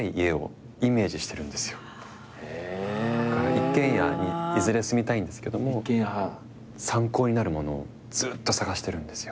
一軒家にいずれ住みたいんですけども参考になるものをずっと探してるんですよ。